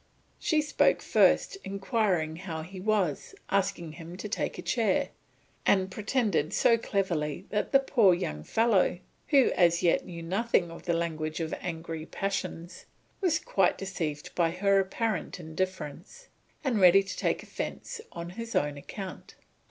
She spoke first, inquired how he was, asked him to take a chair, and pretended so cleverly that the poor young fellow, who as yet knew nothing of the language of angry passions, was quite deceived by her apparent indifference, and ready to take offence on his own account.